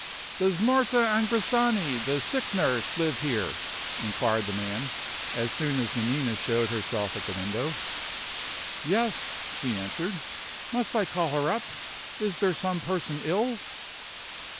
"Does Marta Angrisani, the sick nurse, live here?" inquired the man, as soon as Nanina showed herself at the window. "Yes," she answered. "Must I call her up? Is there some person ill?"